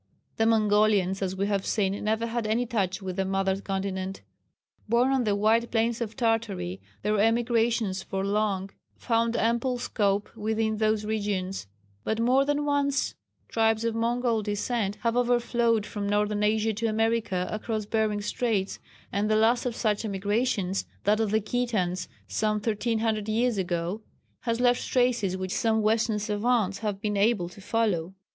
The Mongolians, as we have seen, never had any touch with the mother continent. Born on the wide plains of Tartary, their emigrations for long found ample scope within those regions; but more than once tribes of Mongol descent have overflowed from northern Asia to America, across Behring's Straits, and the last of such emigrations that of the Kitans, some 1,300 years ago has left traces which some western savants have been able to follow.